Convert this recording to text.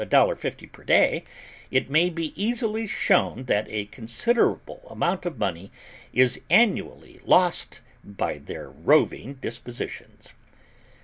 50 per day, it may be easily shown that a considerable amount of money is annually lost by their roving dispositions.